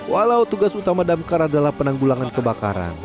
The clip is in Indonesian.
walau tugas utama damkar adalah penanggulangan kebakaran